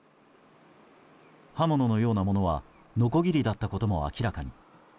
刃物のようなものはノコギリだったことも明らかに。